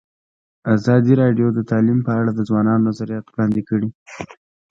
ازادي راډیو د تعلیم په اړه د ځوانانو نظریات وړاندې کړي.